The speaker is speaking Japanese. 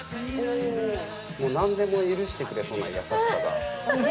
もうなんでも許してくれそうな優しさが。